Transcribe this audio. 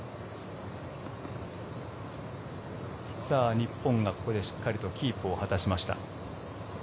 日本がここでしっかりとキープを果たしました。